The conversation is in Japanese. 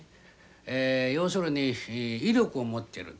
ええ要するに威力を持ってると。